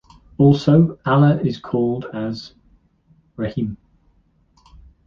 Also, Allah is called as Rahim.